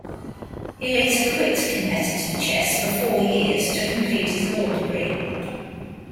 He later quit competitive chess for four years to complete his law degree.